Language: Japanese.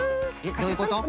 どういうこと？